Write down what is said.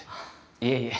いえいえ。